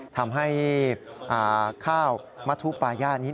ทำให้ข้าวมัตถุป้ายานี่